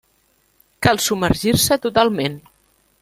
Cal submergir-se totalment.